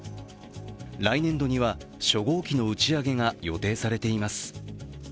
来年度には初号機の打ち上げが予定されています。